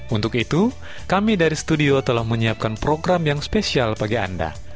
untuk itu kami dari studio telah menyiapkan program yang spesial bagi anda